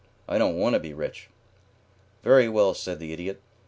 I don't want to be rich." "Very well," said the Idiot.